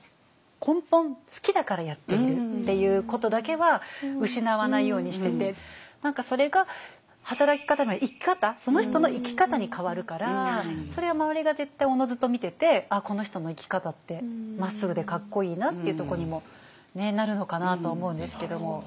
根本好きだからやっているっていうことだけは失わないようにしてて何かそれが働き方が生き方その人の生き方に変わるからそれは周りが絶対おのずと見ててこの人の生き方ってまっすぐでかっこいいなっていうとこにもなるのかなとは思うんですけども。